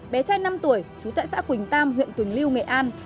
bé trai năm tuổi chú tại xã quỳnh tam huyện tuỳnh lưu nghệ an